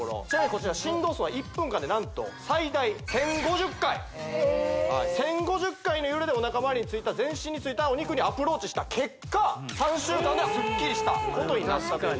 こちら振動数は１分間で何と最大１０５０回１０５０回の揺れでおなかまわりについた全身についたお肉にアプローチした結果３週間でスッキリしたことになったということでございます